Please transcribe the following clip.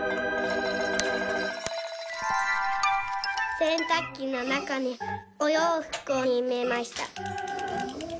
「せんたくきのなかにおようふくをいれました」。